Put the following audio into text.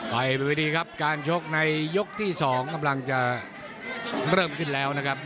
ไปไปพิวดีครับการโชคในยกที่๒เริ่มขึ้นแล้วนะครับ